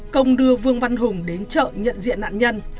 công đưa vương văn hùng đến chợ nhận diện nạn nhân